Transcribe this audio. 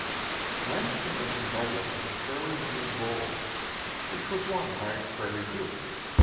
Langston was invited to the Prairie View Bowl, which was won by Prairie View.